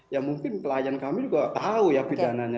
ya mungkin klien kami juga tahu ya pidananya